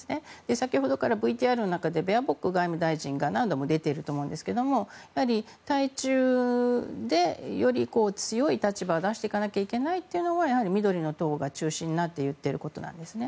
先ほどからＶＴＲの中でベアボック外務大臣が何度も出ていると思うんですが対中で、より強い立場を出していかないといけないというのは緑の党が中心になって言っていることなんですね。